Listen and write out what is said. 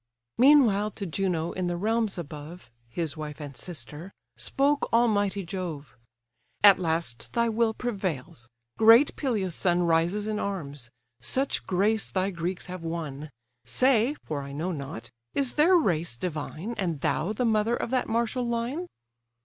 Meanwhile to Juno, in the realms above, (His wife and sister,) spoke almighty Jove. "At last thy will prevails: great Peleus' son Rises in arms: such grace thy Greeks have won. Say (for I know not), is their race divine, And thou the mother of that martial line?"